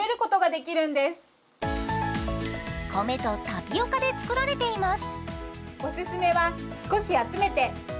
米とタピオカで作られています。